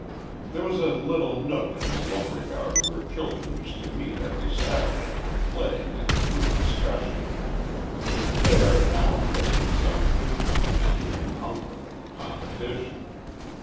There was a little nook in the lumber yard where children used to meet every Saturday for play and free discussion. There, now and then, some new comer entered an uncle in the competition.